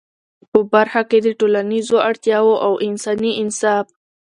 په برخه کي د ټولنیزو اړتیاوو او انساني انصاف